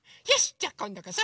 じゃあこんどこそ！